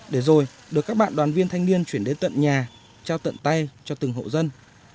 để rồi được các bạn đoàn viên thanh niên chuyển đến tận nhà trao tận tay cho từng hộ dân